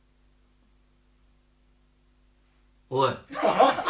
おい。